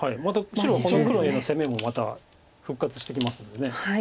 白はこの黒への攻めもまた復活してきますので。